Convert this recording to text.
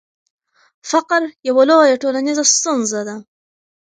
فقر یوه لویه ټولنیزه ستونزه ده.